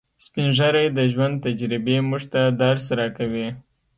سپین ږیری د ژوند تجربې موږ ته درس راکوي